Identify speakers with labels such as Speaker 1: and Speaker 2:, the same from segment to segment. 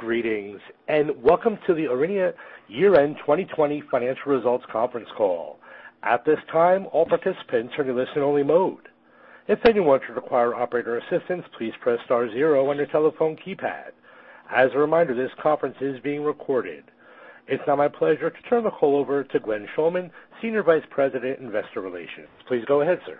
Speaker 1: It's now my pleasure to turn the call over to Glenn Schulman, Senior Vice President, Investor Relations. Please go ahead, sir.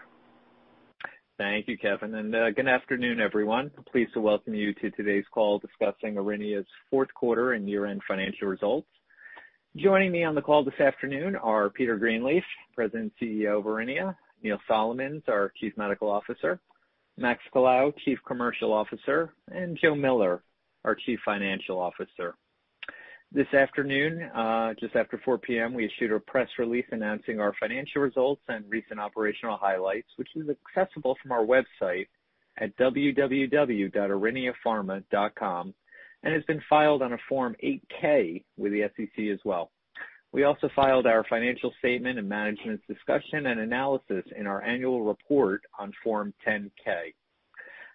Speaker 2: Thank you, Kevin. Good afternoon, everyone. Pleased to welcome you to today's call discussing Aurinia's fourth quarter and year-end financial results. Joining me on the call this afternoon are Peter Greenleaf, President and CEO of Aurinia; Neil Solomons, our Chief Medical Officer; Max Colao, Chief Commercial Officer; and Joe Miller, our Chief Financial Officer. This afternoon, just after 4:00 P.M., we issued a press release announcing our financial results and recent operational highlights, which is accessible from our website at www.auriniapharma.com and has been filed on a Form 8-K with the SEC as well. We also filed our financial statement and management's discussion and analysis in our annual report on Form 10-K.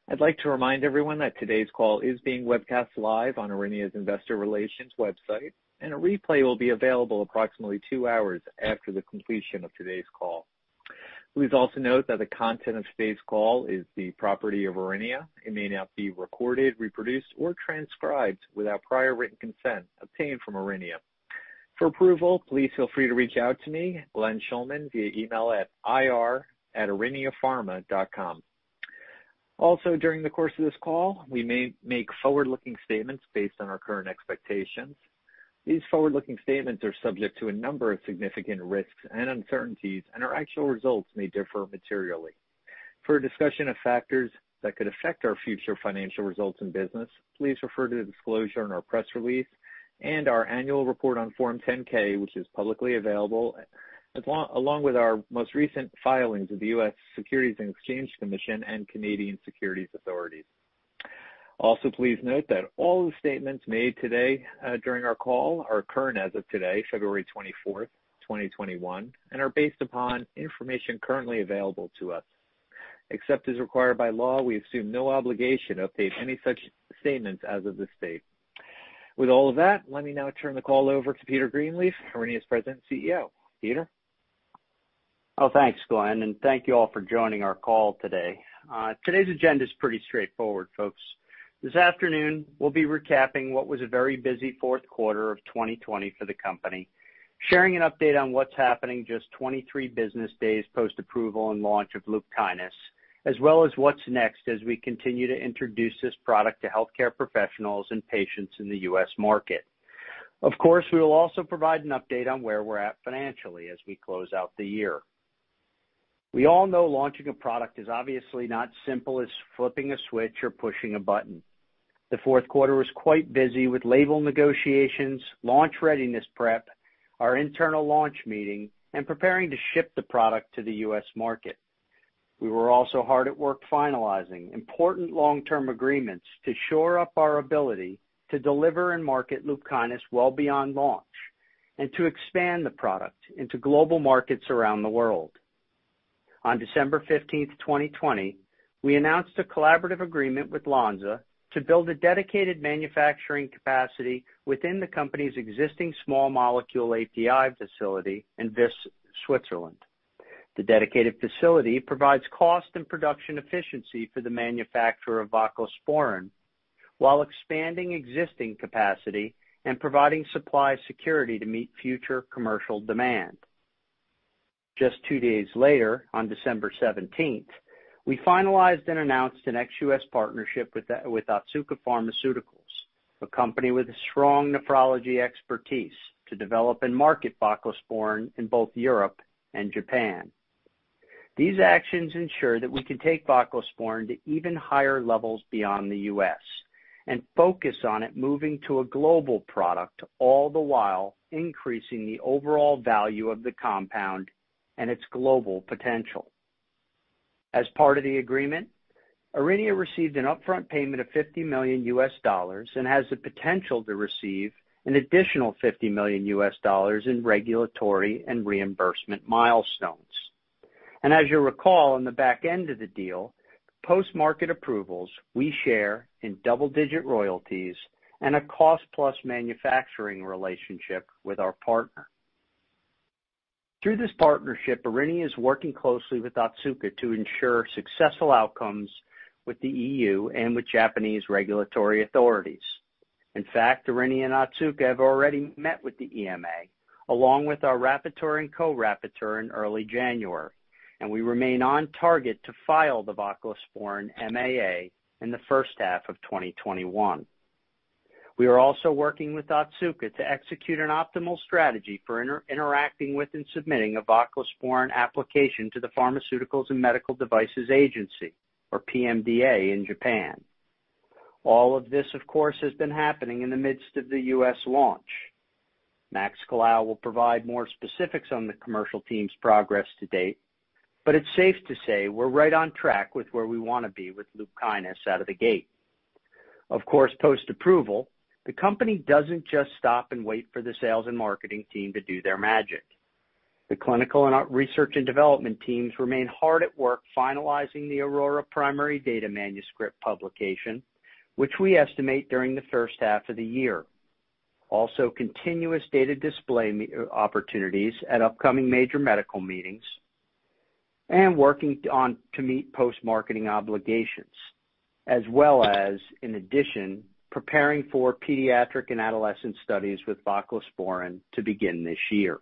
Speaker 2: I'd like to remind everyone that today's call is being webcast live on Aurinia's investor relations website, and a replay will be available approximately two hours after the completion of today's call. Please also note that the content of today's call is the property of Aurinia. It may not be recorded, reproduced, or transcribed without prior written consent obtained from Aurinia. For approval, please feel free to reach out to me, Glenn Schulman, via email at ir@auriniapharma.com. During the course of this call, we may make forward-looking statements based on our current expectations. These forward-looking statements are subject to a number of significant risks and uncertainties, and our actual results may differ materially. For a discussion of factors that could affect our future financial results and business, please refer to the disclosure in our press release and our annual report on Form 10-K, which is publicly available, along with our most recent filings with the U.S. Securities and Exchange Commission and Canadian Securities Administrators. Please note that all the statements made today, during our call are current as of today, February 24th, 2021, and are based upon information currently available to us. Except as required by law, we assume no obligation to update any such statements as of this date. With all of that, let me now turn the call over to Peter Greenleaf, Aurinia's President and CEO. Peter?
Speaker 3: Thanks, Glenn. Thank you all for joining our call today. Today's agenda is pretty straightforward, folks. This afternoon, we'll be recapping what was a very busy fourth quarter of 2020 for the company, sharing an update on what's happening just 23 business days post-approval and launch of LUPKYNIS, as well as what's next as we continue to introduce this product to healthcare professionals and patients in the U.S. market. Of course, we will also provide an update on where we're at financially as we close out the year. We all know launching a product is obviously not simple as flipping a switch or pushing a button. The fourth quarter was quite busy with label negotiations, launch readiness prep, our internal launch meeting, and preparing to ship the product to the U.S. market. We were also hard at work finalizing important long-term agreements to shore up our ability to deliver and market LUPKYNIS well beyond launch and to expand the product into global markets around the world. On December 15th, 2020, we announced a collaborative agreement with Lonza to build a dedicated manufacturing capacity within the company's existing small molecule API facility in Visp, Switzerland. The dedicated facility provides cost and production efficiency for the manufacturer of voclosporin while expanding existing capacity and providing supply security to meet future commercial demand. Just two days later, on December 17th, we finalized and announced an ex-US partnership with Otsuka Pharmaceutical, a company with a strong nephrology expertise to develop and market voclosporin in both Europe and Japan. These actions ensure that we can take voclosporin to even higher levels beyond the U.S. and focus on it moving to a global product, all the while increasing the overall value of the compound and its global potential. As part of the agreement, Aurinia received an upfront payment of $50 million and has the potential to receive an additional $50 million in regulatory and reimbursement milestones. As you recall, on the back end of the deal, post-market approvals, we share in double-digit royalties and a cost-plus manufacturing relationship with our partner. Through this partnership, Aurinia is working closely with Otsuka to ensure successful outcomes with the EU and with Japanese regulatory authorities. In fact, Aurinia Pharmaceuticals and Otsuka Pharmaceutical have already met with the EMA, along with our rapporteur and co-rapporteur in early January. We remain on target to file the voclosporin MAA in the first half of 2021. We are also working with Otsuka Pharmaceutical to execute an optimal strategy for inter-interacting with and submitting a voclosporin application to the Pharmaceuticals and Medical Devices Agency or PMDA in Japan. All of this, of course, has been happening in the midst of the U.S. launch. Max Colao will provide more specifics on the commercial team's progress to date. It's safe to say we're right on track with where we want to be with LUPKYNIS out of the gate. Of course, post-approval, the company doesn't just stop and wait for the sales and marketing team to do their magic. The clinical and research and development teams remain hard at work finalizing the AURORA primary data manuscript publication, which we estimate during the first half of the year. Continuous data display opportunities at upcoming major medical meetings and working on to meet post-marketing obligations, as well as in addition, preparing for pediatric and adolescent studies with voclosporin to begin this year.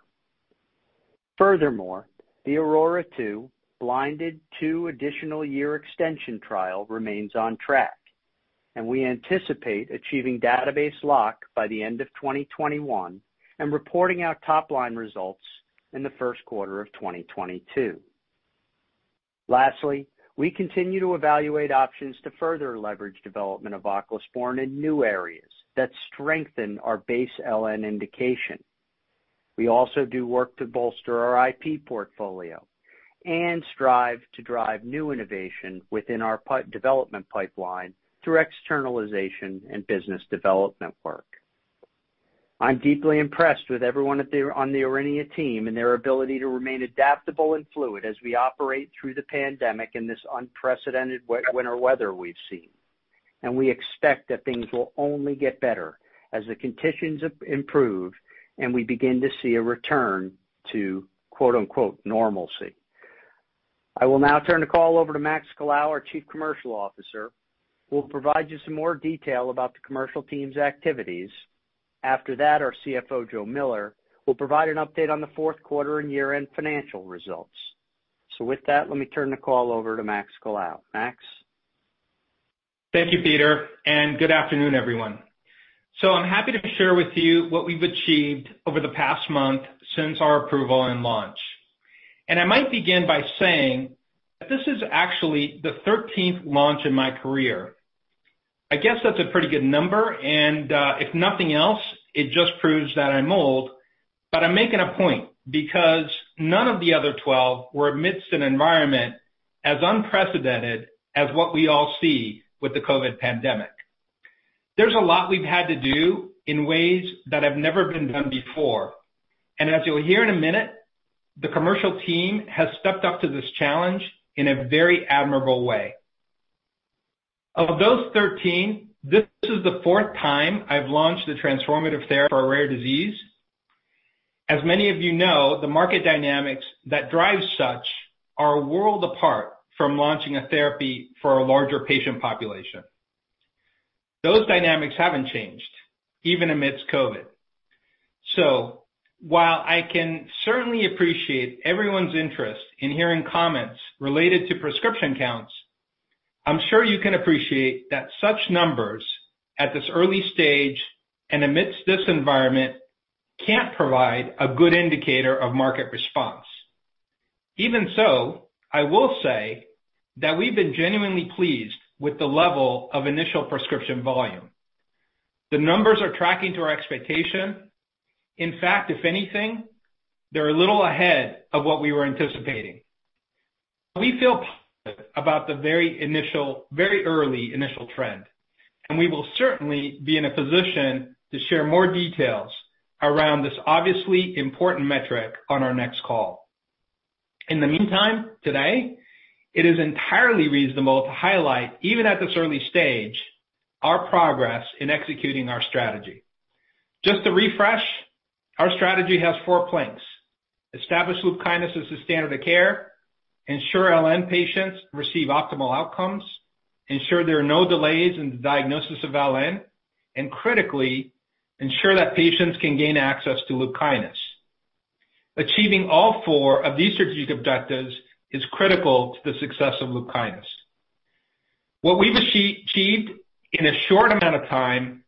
Speaker 3: The AURORA-2 blinded two additional year extension trial remains on track, and we anticipate achieving database lock by the end of 2021 and reporting our top line results in the first quarter of 2022. We continue to evaluate options to further leverage development of voclosporin in new areas that strengthen our base LN indication. We also do work to bolster our IP portfolio and strive to drive new innovation within our development pipeline through externalization and business development work. I'm deeply impressed with everyone on the Aurinia team and their ability to remain adaptable and fluid as we operate through the pandemic in this unprecedented winter weather we've seen. We expect that things will only get better as the conditions improve and we begin to see a return to "normalcy". I will now turn the call over to Max Colao, our Chief Commercial Officer, who will provide you some more detail about the commercial team's activities. After that, our CFO, Joe Miller, will provide an update on the fourth quarter and year-end financial results. With that, let me turn the call over to Max Colao. Max.
Speaker 4: Thank you, Peter. Good afternoon, everyone. I'm happy to share with you what we've achieved over the past month since our approval and launch. I might begin by saying that this is actually the 13th launch in my career. I guess that's a pretty good number, and if nothing else, it just proves that I'm old. I'm making a point because none of the other 12 were amidst an environment as unprecedented as what we all see with the COVID pandemic. There's a lot we've had to do in ways that have never been done before. As you'll hear in a minute, the commercial team has stepped up to this challenge in a very admirable way. Of those 13, this is the fourth time I've launched a transformative therapy for a rare disease. As many of you know, the market dynamics that drive such are a world apart from launching a therapy for a larger patient population. Those dynamics haven't changed, even amidst COVID. While I can certainly appreciate everyone's interest in hearing comments related to prescription counts, I'm sure you can appreciate that such numbers at this early stage and amidst this environment can't provide a good indicator of market response. Even so, I will say that we've been genuinely pleased with the level of initial prescription volume. The numbers are tracking to our expectation. In fact, if anything, they're a little ahead of what we were anticipating. We feel positive about the very early initial trend, and we will certainly be in a position to share more details around this obviously important metric on our next call. In the meantime, today, it is entirely reasonable to highlight, even at this early stage, our progress in executing our strategy. Just to refresh, our strategy has four planks. Establish LUPKYNIS as the standard of care, ensure LN patients receive optimal outcomes, ensure there are no delays in the diagnosis of LN, Critically, ensure that patients can gain access to LUPKYNIS. Achieving all four of these strategic objectives is critical to the success of LUPKYNIS. What we've achieved in a short amount of time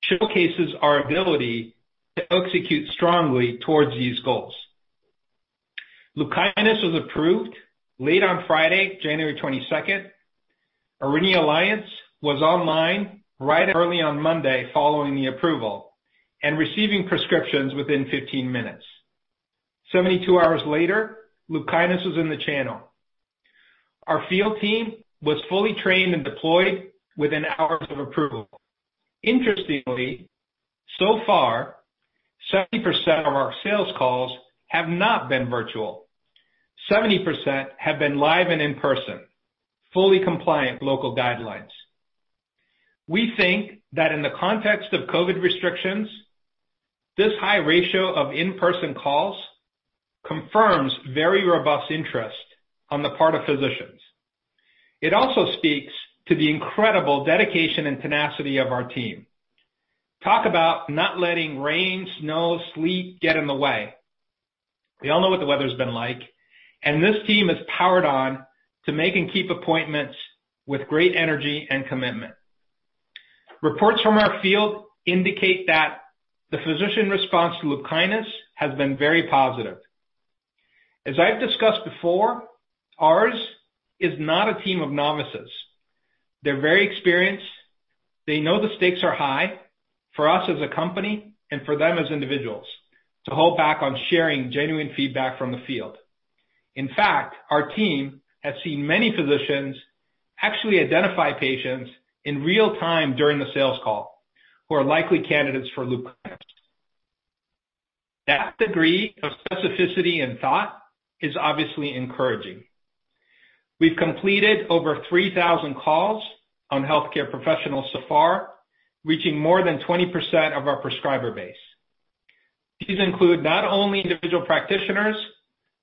Speaker 4: showcases our ability to execute strongly towards these goals. LUPKYNIS was approved late on Friday, January 22nd. Aurinia Alliance was online right early on Monday following the approval and receiving prescriptions within 15 minutes. 72 hours later, LUPKYNIS was in the channel. Our field team was fully trained and deployed within hours of approval. Interestingly, so far, 70% of our sales calls have not been virtual. 70% have been live and in person, fully compliant with local guidelines. We think that in the context of COVID restrictions, this high ratio of in-person calls confirms very robust interest on the part of physicians. It also speaks to the incredible dedication and tenacity of our team. Talk about not letting rain, snow, sleet get in the way. We all know what the weather's been like, and this team is powered on to make and keep appointments with great energy and commitment. Reports from our field indicate that the physician response to LUPKYNIS has been very positive. As I've discussed before, ours is not a team of novices. They're very experienced. They know the stakes are high for us as a company and for them as individuals to hold back on sharing genuine feedback from the field. In fact, our team has seen many physicians actually identify patients in real time during the sales call who are likely candidates for LUPKYNIS. That degree of specificity and thought is obviously encouraging. We've completed over 3,000 calls on healthcare professionals so far, reaching more than 20% of our prescriber base. These include not only individual practitioners,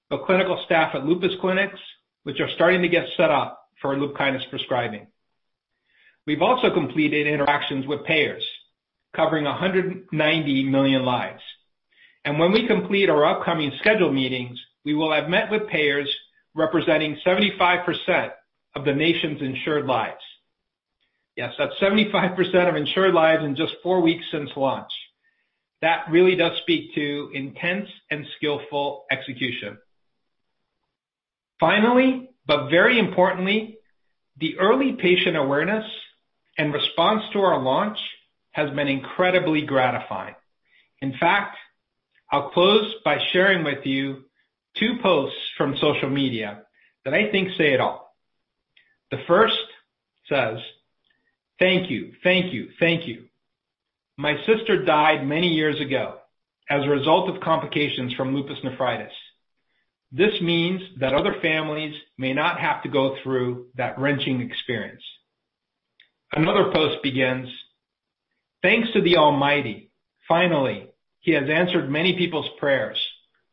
Speaker 4: but clinical staff at lupus clinics, which are starting to get set up for LUPKYNIS prescribing. When we complete our upcoming scheduled meetings, we will have met with payers representing 75% of the nation's insured lives. Yes, that's 75% of insured lives in just four weeks since launch. That really does speak to intense and skillful execution. Finally, but very importantly, the early patient awareness and response to our launch has been incredibly gratifying. In fact, I'll close by sharing with you two posts from social media that I think say it all. The first says, "Thank you, thank you, thank you. My sister died many years ago as a result of complications from lupus nephritis. This means that other families may not have to go through that wrenching experience." Another post begins, "Thanks to the Almighty. Finally, he has answered many people's prayers.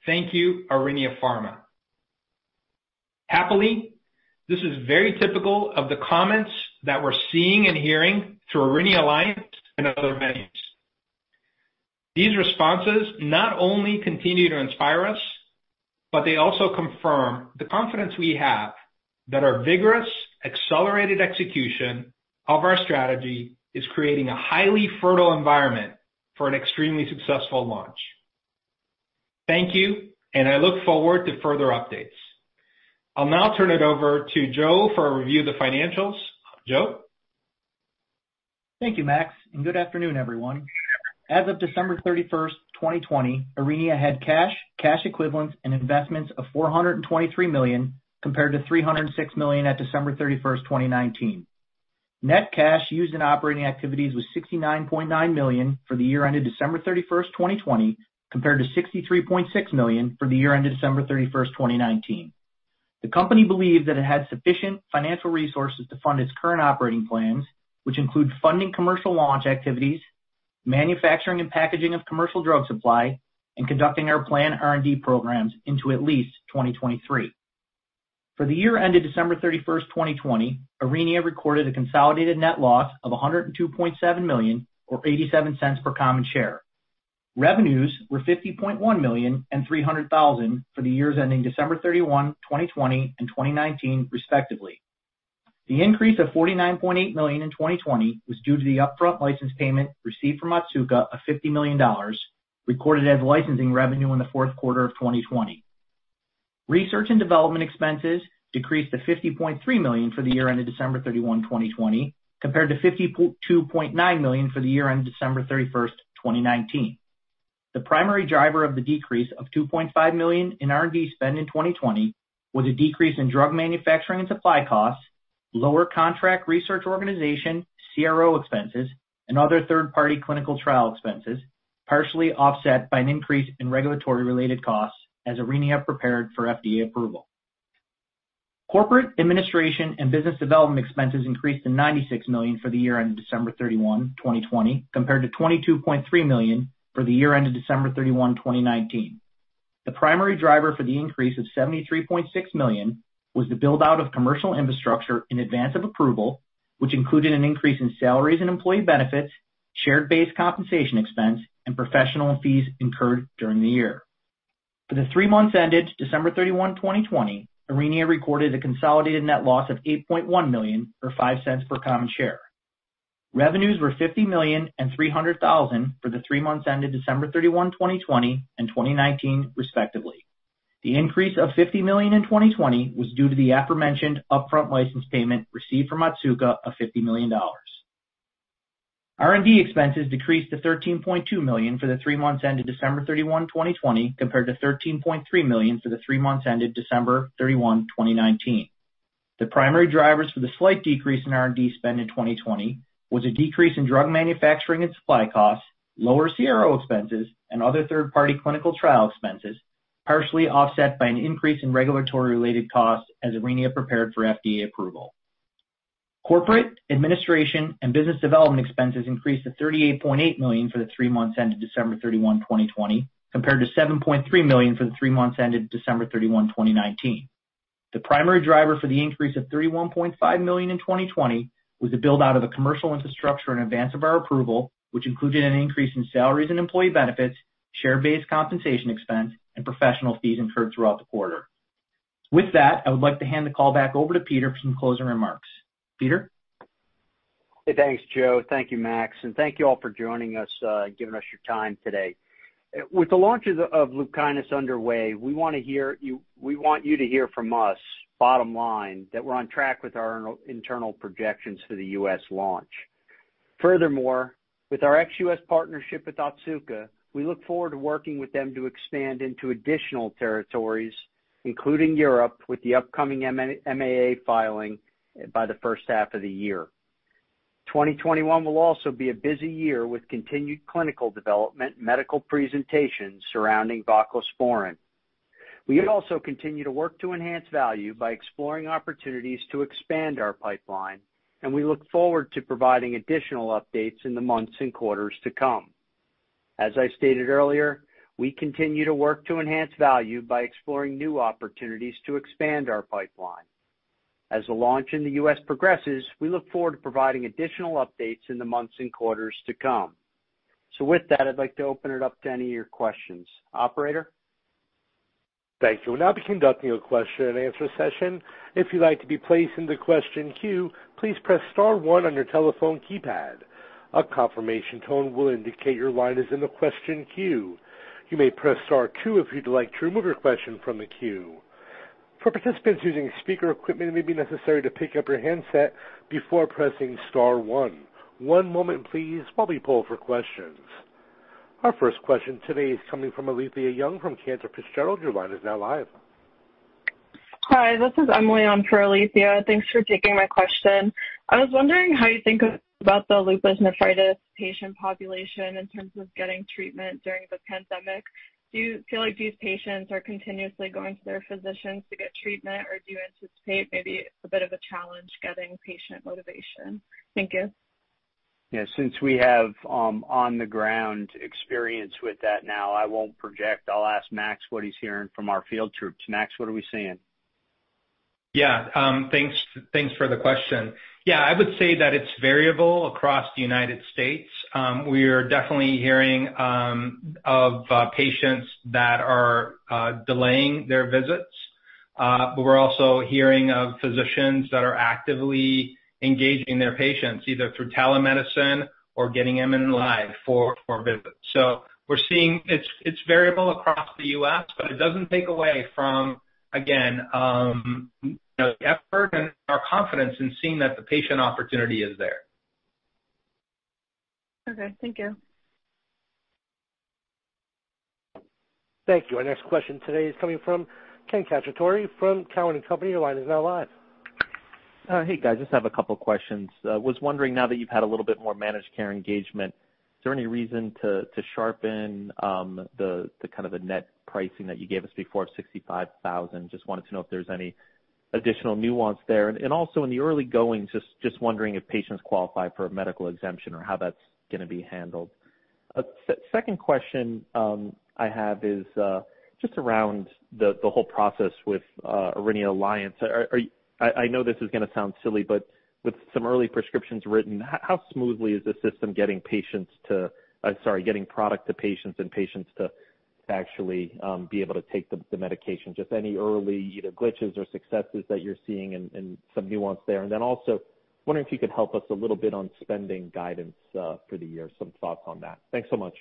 Speaker 4: Thank you, Aurinia Pharmaceuticals." Happily, this is very typical of the comments that we're seeing and hearing through Aurinia Alliance and other venues. These responses not only continue to inspire us, but they also confirm the confidence we have that our vigorous, accelerated execution of our strategy is creating a highly fertile environment for an extremely successful launch. Thank you, and I look forward to further updates. I'll now turn it over to Joe for a review of the financials. Joe?
Speaker 5: Thank you, Max, good afternoon, everyone. As of December 31st, 2020, Aurinia had cash equivalents and investments of $423 million, compared to $306 million at December 31st, 2019. Net cash used in operating activities was $69.9 million for the year ended December 31st, 2020, compared to $63.6 million for the year ended December 31st, 2019. The company believed that it had sufficient financial resources to fund its current operating plans, which include funding commercial launch activities, manufacturing and packaging of commercial drug supply, and conducting our planned R&D programs into at least 2023. For the year ended December 31st, 2020, Aurinia recorded a consolidated net loss of $102.7 million, or $0.87 per common share. Revenues were $50.1 million and $300,000 for the years ending December 31st, 2020 and 2019, respectively. The increase of $49.8 million in 2020 was due to the upfront license payment received from Otsuka of $50 million, recorded as licensing revenue in the fourth quarter of 2020. Research and development expenses decreased to $50.3 million for the year ended December 31st, 2020, compared to $52.9 million for the year ended December 31st, 2019. The primary driver of the decrease of $2.5 million in R&D spend in 2020 was a decrease in drug manufacturing and supply costs, lower contract research organization, CRO expenses, and other third-party clinical trial expenses, partially offset by an increase in regulatory-related costs as Aurinia prepared for FDA approval. Corporate administration and business development expenses increased to $96 million for the year ended December 31st, 2020, compared to $22.3 million for the year ended December 31st, 2019. The primary driver for the increase of $73.6 million was the build-out of commercial infrastructure in advance of approval, which included an increase in salaries and employee benefits, share-based compensation expense, and professional fees incurred during the year. For the three months ended December 31st, 2020, Aurinia recorded a consolidated net loss of $8.1 million, or $0.05 per common share. Revenues were $50.3 million for the three months ended December 31st, 2020 and 2019, respectively. The increase of $50 million in 2020 was due to the aforementioned upfront license payment received from Otsuka of $50 million. R&D expenses decreased to $13.2 million for the three months ended December 31st, 2020, compared to $13.3 million for the three months ended December 31st, 2019. The primary drivers for the slight decrease in R&D spend in 2020 was a decrease in drug manufacturing and supply costs, lower CRO expenses, and other third-party clinical trial expenses, partially offset by an increase in regulatory-related costs as Aurinia prepared for FDA approval. Corporate administration and business development expenses increased to $38.8 million for the three months ended December 31st, 2020, compared to $7.3 million for the three months ended December 31st, 2019. The primary driver for the increase of $31.5 million in 2020 was the build-out of the commercial infrastructure in advance of our approval, which included an increase in salaries and employee benefits, share-based compensation expense, and professional fees incurred throughout the quarter. With that, I would like to hand the call back over to Peter for some closing remarks. Peter?
Speaker 3: Hey, thanks, Joe. Thank you, Max, and thank you all for joining us and giving us your time today. With the launches of LUPKYNIS underway, we want you to hear from us, bottom line, that we're on track with our internal projections for the U.S. launch. With our ex-U.S. partnership with Otsuka, we look forward to working with them to expand into additional territories, including Europe, with the upcoming MAA filing by the first half of the year. 2021 will also be a busy year with continued clinical development medical presentations surrounding voclosporin. We also continue to work to enhance value by exploring opportunities to expand our pipeline, and we look forward to providing additional updates in the months and quarters to come. As I stated earlier, we continue to work to enhance value by exploring new opportunities to expand our pipeline. As the launch in the U.S. progresses, we look forward to providing additional updates in the months and quarters to come. With that, I'd like to open it up to any of your questions. Operator?
Speaker 1: Thank you. We'll now be conducting a question and answer session. If you'd like to be placed in the question queue, please press star one on your telephone keypad. A confirmation tone will indicate your line is in the question queue. You may press star two if you'd like to remove your question from the queue. For participants using speaker equipment, it may be necessary to pick up your handset before pressing star one. One moment please while we poll for questions. Our first question today is coming from Alethia Young from Cantor Fitzgerald. Your line is now live.
Speaker 6: Hi, this is Emily on for Alethia. Thanks for taking my question. I was wondering how you think about the lupus nephritis patient population in terms of getting treatment during the pandemic. Do you feel like these patients are continuously going to their physicians to get treatment, or do you anticipate maybe a bit of a challenge getting patient motivation? Thank you.
Speaker 3: Yeah. Since we have on-the-ground experience with that now, I won't project. I'll ask Max what he's hearing from our field troops. Max, what are we seeing?
Speaker 4: Yeah. Thanks for the question. I would say that it's variable across the United States. We are definitely hearing of patients that are delaying their visits. But we're also hearing of physicians that are actively engaging their patients, either through telemedicine or getting them in live for visits. We're seeing it's variable across the U.S., but it doesn't take away from, again, you know, the effort and our confidence in seeing that the patient opportunity is there.
Speaker 6: Okay, thank you.
Speaker 1: Thank you. Our next question today is coming from Ken Cacciatore from Cowen and Company. Your line is now live.
Speaker 7: Hey, guys. Just have a couple questions. Was wondering now that you've had a little bit more managed care engagement, is there any reason to sharpen the kind of the net pricing that you gave us before of $65,000? Just wanted to know if there's any additional nuance there. Also in the early going, just wondering if patients qualify for a medical exemption or how that's going to be handled. Second question I have is just around the whole process with Aurinia Alliance. I know this is going to sound silly, but with some early prescriptions written, how smoothly is the system getting product to patients and patients to actually be able to take the medication? Any early, you know, glitches or successes that you're seeing and some nuance there. Also wondering if you could help us a little bit on spending guidance for the year, some thoughts on that. Thanks so much.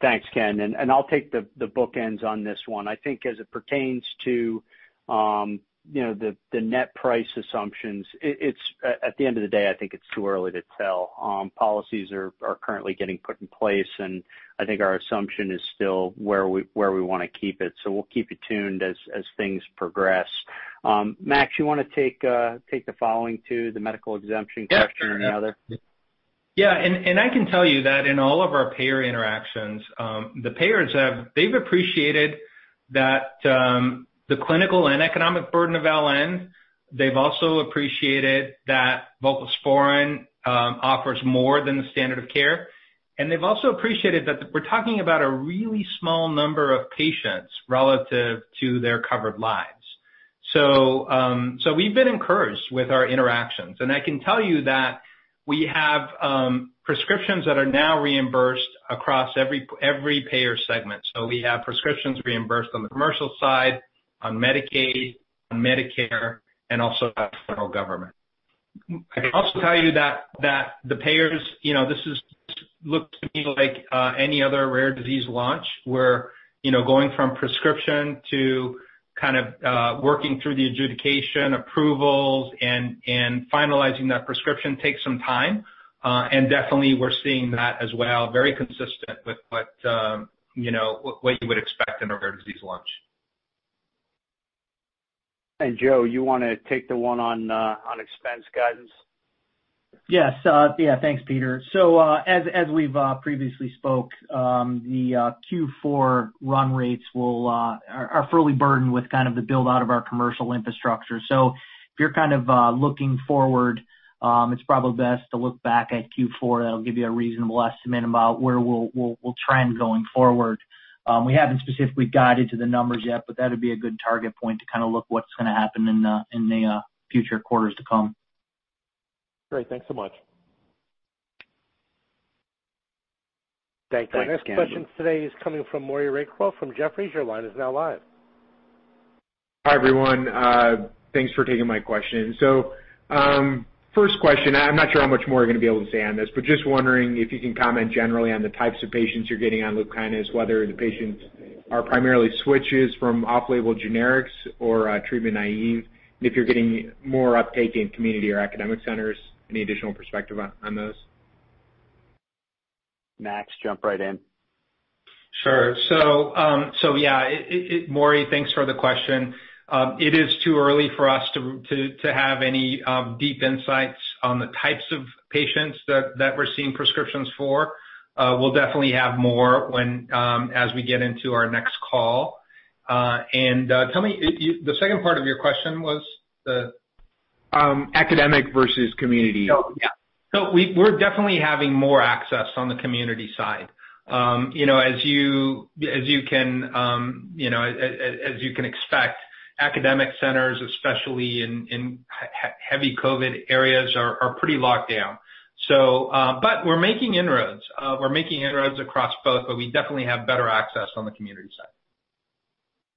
Speaker 3: Thanks, Ken. I'll take the bookends on this one. I think as it pertains to, you know, the net price assumptions, it's at the end of the day, I think it's too early to tell. Policies are currently getting put in place, and I think our assumption is still where we wanna keep it. We'll keep you tuned as things progress. Max, you wanna take the following too, the medical exemption question and the other?
Speaker 4: Yeah. I can tell you that in all of our payer interactions, they've appreciated that the clinical and economic burden of LN. They've also appreciated that voclosporin offers more than the standard of care. They've also appreciated that we're talking about a really small number of patients relative to their covered lives. We've been encouraged with our interactions. I can tell you that we have prescriptions that are now reimbursed across every payer segment. We have prescriptions reimbursed on the commercial side, on Medicaid, on Medicare, and also federal government. I can also tell you that the payers, you know, this looks to me like any other rare disease launch where, you know, going from prescription to kind of, working through the adjudication approvals and finalizing that prescription takes some time. Definitely we're seeing that as well, very consistent with what, you know, what you would expect in a rare disease launch.
Speaker 3: Joe, you wanna take the one on expense guidance?
Speaker 5: Yes. Yeah, thanks, Peter. As, as we've previously spoke, the Q4 run rates will are fully burdened with kind of the build-out of our commercial infrastructure. If you're kind of looking forward, it's probably best to look back at Q4. That'll give you a reasonable estimate about where we'll trend going forward. We haven't specifically guided to the numbers yet, but that'd be a good target point to kinda look what's gonna happen in the future quarters to come.
Speaker 7: Great. Thanks so much.
Speaker 3: Thanks, Ken.
Speaker 1: Our next question today is coming from Maury Raycroft from Jefferies. Your line is now live.
Speaker 8: Hi, everyone. thanks for taking my question. First question, I'm not sure how much more you're gonna be able to say on this, but just wondering if you can comment generally on the types of patients you're getting on LUPKYNIS, whether the patients are primarily switches from off-label generics or treatment naive. If you're getting more uptake in community or academic centers, any additional perspective on those?
Speaker 3: Max, jump right in.
Speaker 4: Sure. Maury, thanks for the question. It is too early for us to have any deep insights on the types of patients that we're seeing prescriptions for. We'll definitely have more when as we get into our next call. Tell me, the second part of your question was the-
Speaker 8: academic versus community.
Speaker 4: Oh, yeah. We're definitely having more access on the community side. You know, as you, as you can, you know, as you can expect, academic centers, especially in heavy COVID areas, are pretty locked down. We're making inroads. We're making inroads across both, we definitely have better access on the community side.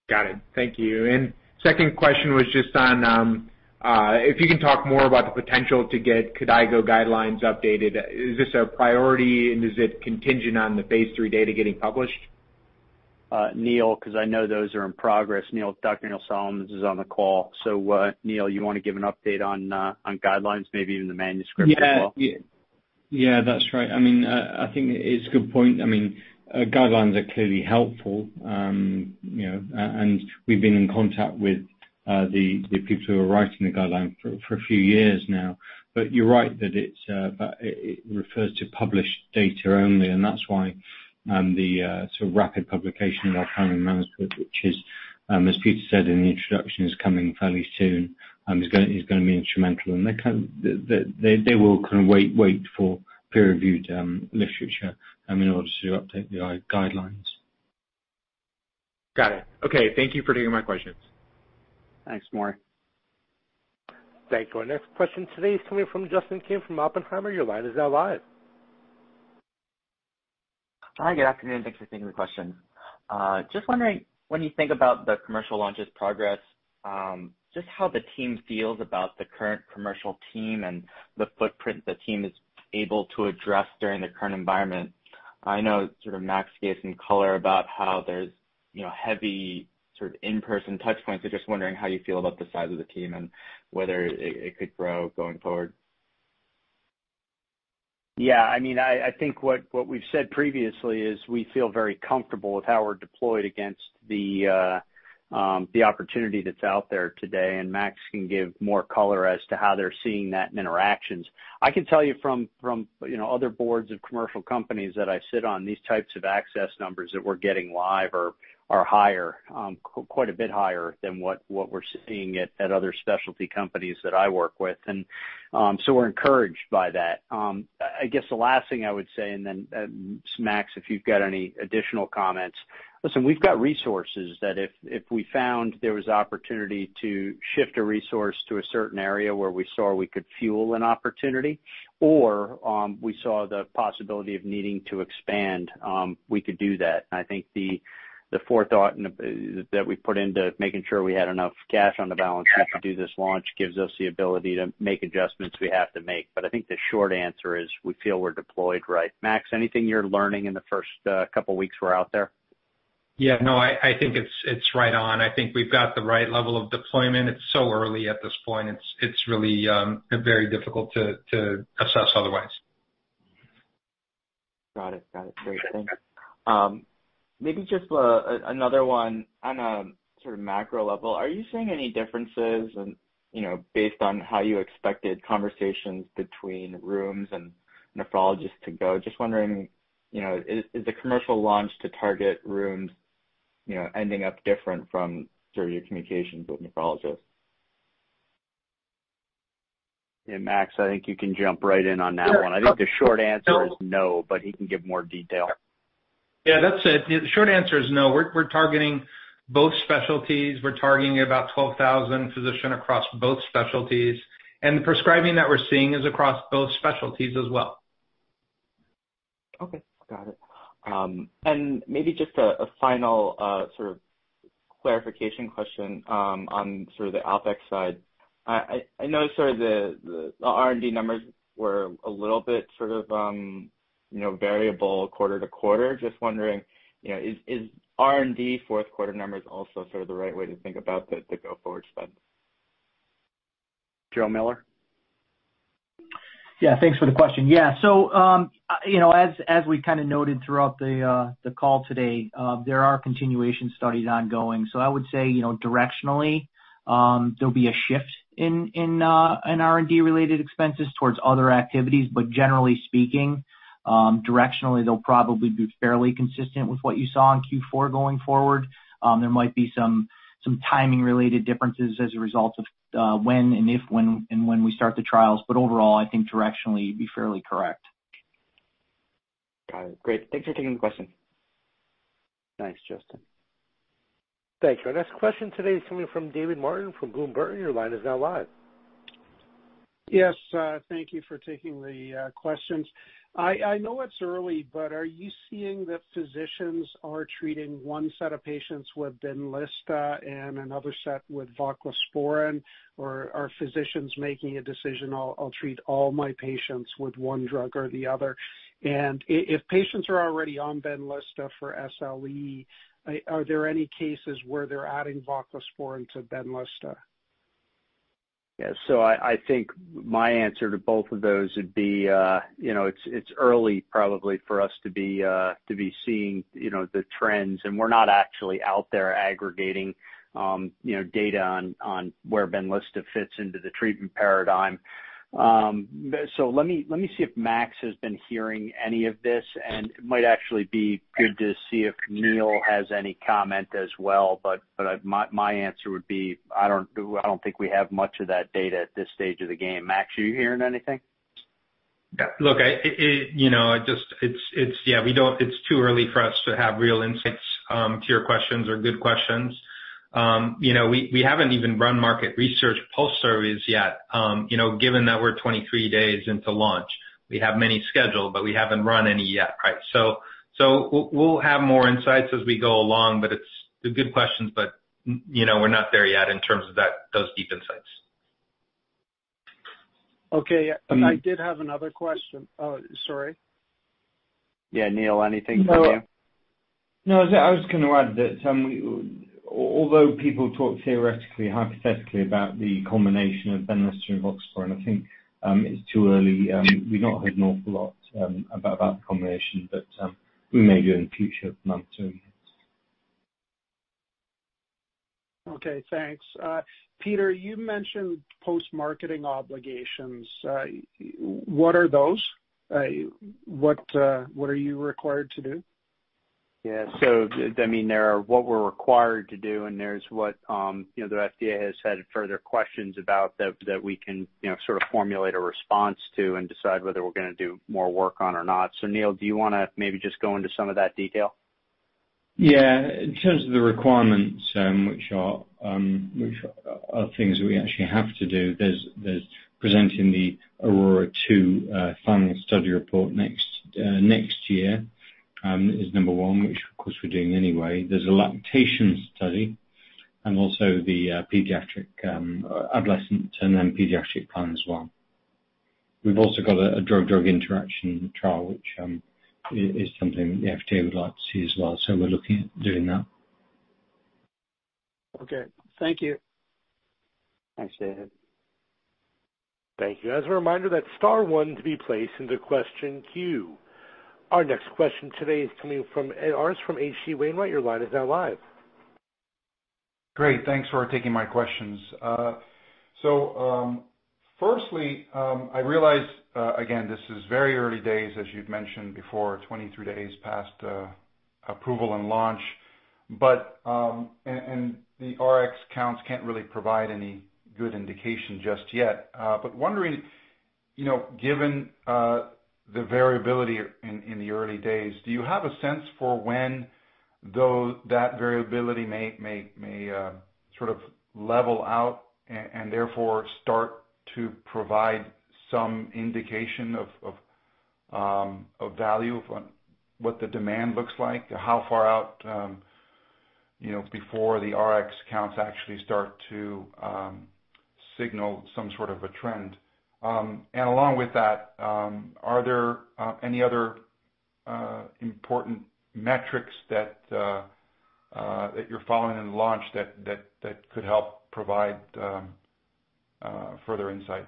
Speaker 8: Got it. Thank you. Second question was just on, if you can talk more about the potential to get KDIGO guidelines updated. Is this a priority, and is it contingent on the phase III data getting published?
Speaker 3: Neil, 'cause I know those are in progress. Neil, Dr. Neil Solomons is on the call. Neil, you wanna give an update on guidelines, maybe even the manuscript as well?
Speaker 9: Yeah. Yeah, that's right. I mean, I think it's a good point. I mean, guidelines are clearly helpful. You know, and we've been in contact with the people who are writing the guideline for a few years now. You're right that it's, but it refers to published data only, and that's why the sort of rapid publication of our current manuscript, which is, as Peter said in the introduction, is coming fairly soon, is gonna be instrumental. They will kind of wait for peer review to in the future in order to update the guidelines.
Speaker 8: Got it. Okay, thank you for doing my questions.
Speaker 3: Thanks, Maury.
Speaker 1: Thank you. Our next question today is coming from Justin Kim from Oppenheimer. Your line is now live.
Speaker 10: Hi, good afternoon. Thanks for taking the question. Just wondering, when you think about the commercial launch's progress, just how the team feels about the current commercial team and the footprint the team is able to address during the current environment. I know sort of Max gave some color about how there's, you know, heavy sort of in-person touch points. Just wondering how you feel about the size of the team and whether it could grow going forward.
Speaker 3: I mean, I think what we've said previously is we feel very comfortable with how we're deployed against the opportunity that's out there today. Max Colao can give more color as to how they're seeing that in interactions. I can tell you from, you know, other boards of commercial companies that I sit on, these types of access numbers that we're getting live are higher, quite a bit higher than what we're seeing at other specialty companies that I work with. We're encouraged by that. I guess the last thing I would say, Max Colao, if you've got any additional comments. Listen, we've got resources that if we found there was opportunity to shift a resource to a certain area where we saw we could fuel an opportunity or, we saw the possibility of needing to expand, we could do that. I think the forethought and the that we put into making sure we had enough cash on the balance sheet to do this launch gives us the ability to make adjustments we have to make. I think the short answer is we feel we're deployed right. Max, anything you're learning in the first couple weeks we're out there?
Speaker 4: Yeah, no, I think it's right on. I think we've got the right level of deployment. It's so early at this point, it's really very difficult to assess otherwise.
Speaker 10: Got it. Great. Thanks. Maybe just another one on a sort of macro level. Are you seeing any differences in, you know, based on how you expected conversations between rheums and nephrologists to go? Just wondering, you know, is the commercial launch to target rheums, you know, ending up different from sort of your communications with nephrologists?
Speaker 3: Yeah, Max Colao, I think you can jump right in on that one. I think the short answer is no, but he can give more detail.
Speaker 4: Yeah, that's it. The short answer is no. We're targeting both specialties. We're targeting about 12,000 physician across both specialties. The prescribing that we're seeing is across both specialties as well.
Speaker 10: Okay. Got it. Maybe just a final sort of clarification question on sort of the OpEx side. I know sort of the R&D numbers were a little bit sort of, you know, variable quarter to quarter. Just wondering, you know, is R&D fourth quarter numbers also sort of the right way to think about the go-forward spend?
Speaker 3: Joe Miller?
Speaker 5: Yeah, thanks for the question. Yeah. You know, as we kind of noted throughout the call today, there are continuation studies ongoing. I would say, you know, directionally, there'll be a shift in R&D related expenses towards other activities. Generally speaking, directionally, they'll probably be fairly consistent with what you saw in Q4 going forward. There might be some timing related differences as a result of when and when we start the trials. Overall, I think directionally, you'd be fairly correct.
Speaker 10: Got it. Great. Thanks for taking the question.
Speaker 3: Thanks, Justin.
Speaker 1: Thank you. Our next question today is coming from David Martin from Bloom Burton. Your line is now live.
Speaker 11: Yes, thank you for taking the questions. I know it's early, but are you seeing that physicians are treating one set of patients with BENLYSTA and another set with voclosporin, or are physicians making a decision, I'll treat all my patients with one drug or the other? If patients are already on BENLYSTA for SLE, are there any cases where they're adding voclosporin to BENLYSTA?
Speaker 3: I think my answer to both of those would be, you know, it's early probably for us to be to be seeing, you know, the trends and we're not actually out there aggregating, you know, data on where BENLYSTA fits into the treatment paradigm. Let me, let me see if Max has been hearing any of this, and it might actually be good to see if Neil has any comment as well. My, my answer would be, I don't think we have much of that data at this stage of the game. Max, are you hearing anything?
Speaker 4: Yeah. Look, yeah, we don't. It's too early for us to have real insights to your questions or good questions. You know, we haven't even run market research post surveys yet, you know, given that we're 23 days into launch. We have many scheduled, but we haven't run any yet. Right. We'll have more insights as we go along, but they're good questions, but you know, we're not there yet in terms of that, those deep insights.
Speaker 11: Okay. I did have another question. Oh, sorry.
Speaker 3: Yeah. Neil, anything from you?
Speaker 9: No. I was gonna add that, although people talk theoretically, hypothetically about the combination of BENLYSTA and voclosporin, and I think, it's too early. We've not heard an awful lot about that combination, but, we may do in future months or years.
Speaker 11: Okay, thanks. Peter, you mentioned post-marketing obligations. What are those? What, what are you required to do?
Speaker 3: Yeah. I mean, there are what we're required to do, and there's what, you know, the FDA has had further questions about that we can, you know, sort of formulate a response to and decide whether we're gonna do more work on or not. Neil, do you wanna maybe just go into some of that detail?
Speaker 9: In terms of the requirements, which are things we actually have to do, there's presenting the AURORA 2 final study report next year is number one, which of course we're doing anyway. There's a lactation study and also the pediatric adolescent and then pediatric plan as well. We've also got a drug-drug interaction trial, which is something the FDA would like to see as well. We're looking at doing that.
Speaker 11: Okay. Thank you.
Speaker 3: Thanks, David.
Speaker 1: Thank you. As a reminder, that's star one to be placed into question queue. Our next question today is from H.C. Wainwright. Your line is now live.
Speaker 12: Great. Thanks for taking my questions. Firstly, I realize again, this is very early days, as you'd mentioned before, 23 days past approval and launch. The RX counts can't really provide any good indication just yet. Wondering, you know, given the variability in the early days, do you have a sense for when that variability may sort of level out and therefore start to provide some indication of value of what the demand looks like? How far out, you know, before the RX counts actually start to signal some sort of a trend? Along with that, are there any other important metrics that you're following in launch that could help provide further insight?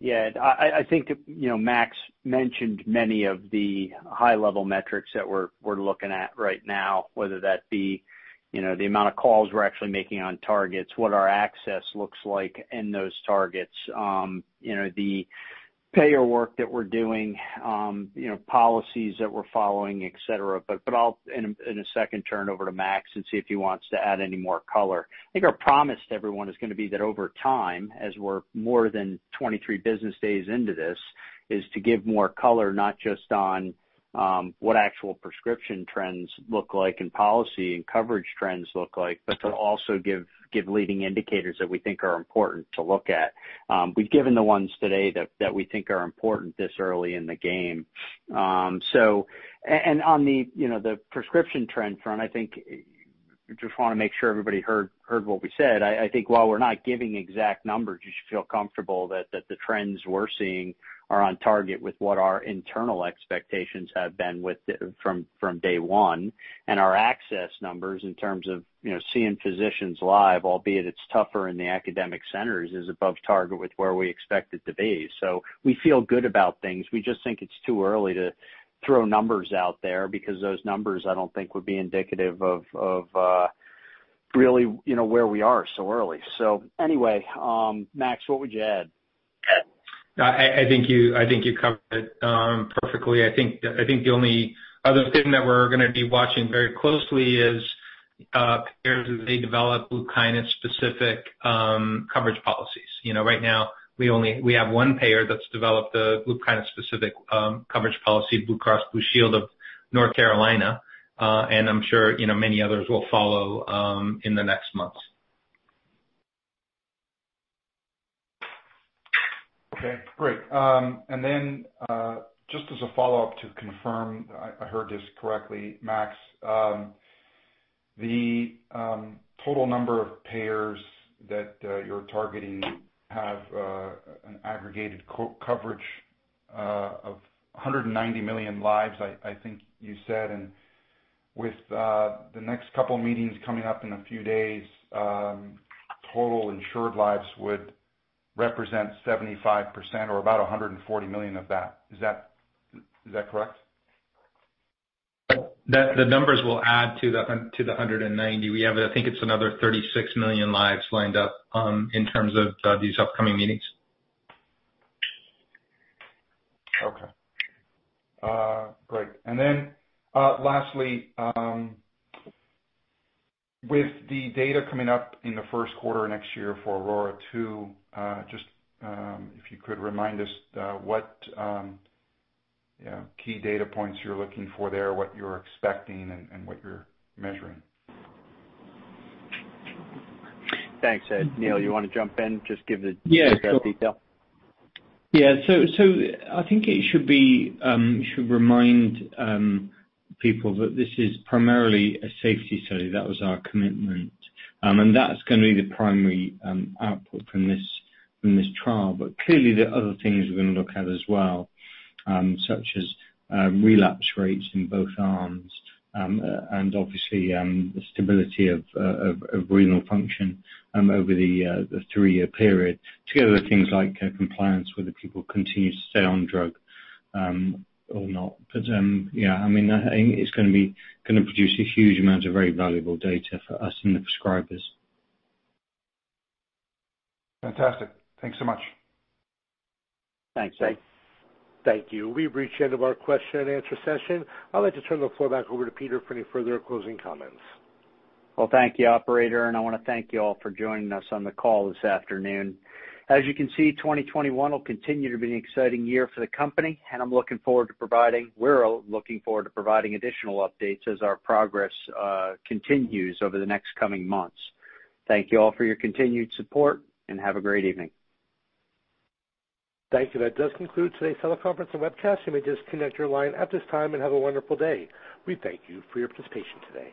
Speaker 3: Yeah. I think, you know, Max mentioned many of the high-level metrics that we're looking at right now, whether that be, you know, the amount of calls we're actually making on targets, what our access looks like in those targets, you know, the payer work that we're doing, you know, policies that we're following, et cetera. I'll, in a second, turn over to Max and see if he wants to add any more color. I think our promise to everyone is gonna be that over time, as we're more than 23 business days into this, is to give more color, not just on what actual prescription trends look like and policy and coverage trends look like, but to also give leading indicators that we think are important to look at. We've given the ones today that we think are important this early in the game. And on the, you know, the prescription trend front, I think just want to make sure everybody heard what we said. I think while we're not giving exact numbers, you should feel comfortable that the trends we're seeing are on target with what our internal expectations have been with it from day one. And our access numbers in terms of, you know, seeing physicians live, albeit it's tougher in the academic centers, is above target with where we expect it to be. We feel good about things. We just think it's too early to throw numbers out there because those numbers, I don't think would be indicative of really, you know, where we are so early. Anyway, Max, what would you add?
Speaker 4: I think you covered it perfectly. I think the only other thing that we're gonna be watching very closely is payers as they develop LUPKYNIS kind of specific coverage policies. You know, right now we have one payer that's developed a LUPKYNIS kind of specific coverage policy, Blue Cross and Blue Shield of North Carolina. I'm sure, you know, many others will follow in the next months.
Speaker 12: Okay, great. Just as a follow-up to confirm I heard this correctly, Max. The total number of payers that you're targeting have an aggregated co-coverage of 190 million lives, I think you said, and with the next couple of meetings coming up in a few days, total insured lives would represent 75% or about 140 million of that. Is that correct?
Speaker 4: The numbers will add to the 190. We have, I think it's another 36 million lives lined up, in terms of these upcoming meetings.
Speaker 12: Okay. Great. Lastly, with the data coming up in the first quarter next year for AURORA-2, just if you could remind us what, you know, key data points you're looking for there, what you're expecting and what you're measuring?
Speaker 3: Thanks, Ed. Neil, you wanna jump in, just give the.
Speaker 9: Yeah, sure.
Speaker 3: -detail?
Speaker 9: I think it should remind people that this is primarily a safety study. That was our commitment. That's going to be the primary output from this trial. Clearly, there are other things we're going to look at as well, such as relapse rates in both arms, and obviously, the stability of renal function over the three-year period. Together with things like compliance, whether people continue to stay on drug or not. I mean, it's going to produce a huge amount of very valuable data for us and the prescribers.
Speaker 12: Fantastic. Thanks so much.
Speaker 3: Thanks, Ed.
Speaker 1: Thank you. We've reached the end of our question and answer session. I'd like to turn the floor back over to Peter for any further closing comments.
Speaker 3: Well, thank you, operator. I want to thank you all for joining us on the call this afternoon. As you can see, 2021 will continue to be an exciting year for the company, and we're all looking forward to providing additional updates as our progress continues over the next coming months. Thank you all for your continued support and have a great evening.
Speaker 1: Thank you. That does conclude today's teleconference and webcast. You may disconnect your line at this time and have a wonderful day. We thank you for your participation today.